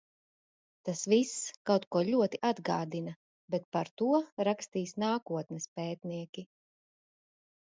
Tas viss kaut ko ļoti atgādina. Bet par to rakstīs nākotnes pētnieki.